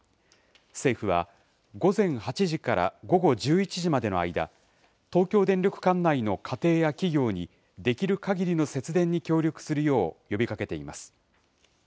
政府は、午前８時から午後１１時までの間、東京電力管内の家庭や企業に、できるかぎりの節電に協力するよう呼びかけています。